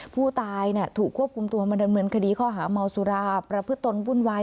ผู้ตายถูกควบกลุ้มตัวเหมือนคดีข้อหมาวสุราประพรศนบุญไวท์